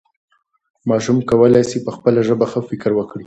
ماشوم کولی سي په خپله ژبه ښه فکر وکړي.